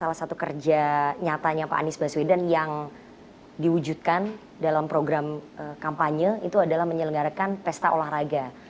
salah satu kerja nyatanya pak anies baswedan yang diwujudkan dalam program kampanye itu adalah menyelenggarakan pesta olahraga